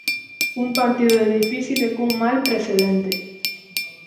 Un partido difícil e cun mal precedente.